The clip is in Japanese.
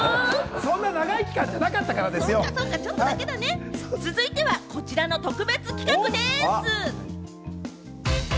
そんな長い期間じゃなかった続いてはこちらの特別企画です。